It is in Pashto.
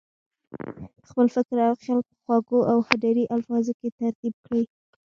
خپل فکر او خیال په خوږو او هنري الفاظو کې ترتیب کړي.